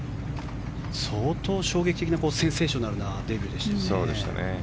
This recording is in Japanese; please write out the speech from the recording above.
相当衝撃的なセンセーショナルなデビューでしたよね。